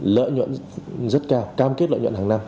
lợi nhuận rất cao cam kết lợi nhuận hàng năm